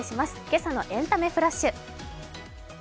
今朝のエンタメフラッシュ。